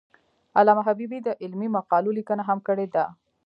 علامه حبیبي د علمي مقالو لیکنه هم کړې ده.